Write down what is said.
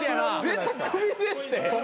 絶対首ですって。